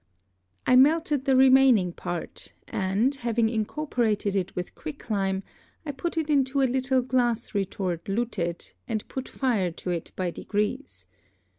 I melted the remaining Part, and having incorporated it with quick Lime, I put it into a little Glass Retort luted, and put Fire to it by degrees.